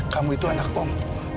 kamu itu anak om